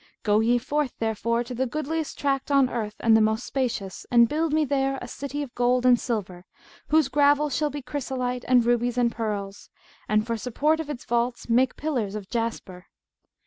Go ye forth therefore to the goodliest tract on earth and the most spacious and build me there a city of gold and silver, whose gravel shall be chrysolite and rubies and pearls; and for support of its vaults make pillars of jasper.